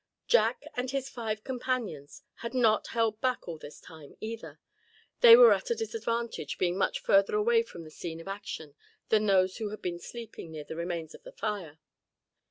Jack and his five companions had not held back all this time either. They were at a disadvantage, being much further away from the scene of action than those who had been sleeping near the remains of the fire.